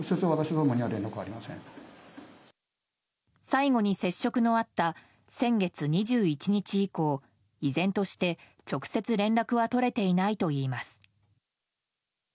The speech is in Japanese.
最後に接触のあった先月２１日以降依然として直接、連絡はとれていないといいます。